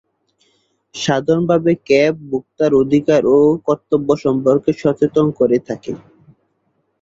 সাধারণভাবে ক্যাব ভোক্তার অধিকার ও কর্তব্য সম্পর্কে সচেতন করে থাকে।